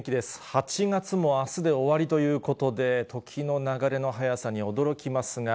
８月もあすで終わりということで、時の流れの速さに驚きますが。